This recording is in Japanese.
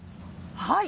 はい。